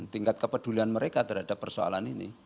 tingkat kepedulian mereka terhadap persoalan ini